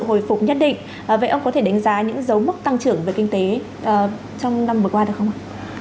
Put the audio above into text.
hồi phục nhất định vậy ông có thể đánh giá những dấu mức tăng trưởng về kinh tế trong năm vừa qua được không ạ